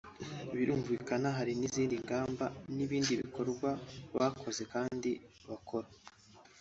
Birumvikana hari n’izindi ngamba n’ibindi bikorwa bakoze kandi bakora